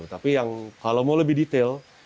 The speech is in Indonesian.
tapi yang kalau mau lebih detail